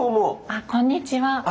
あこんにちは。